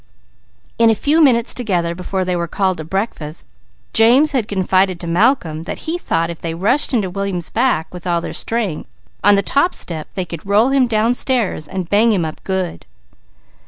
In a few minutes together before they were called to breakfast, James had confided to Malcolm that he thought if they rushed into William's back with all their strength, on the top step, they could roll him downstairs and bang him up good.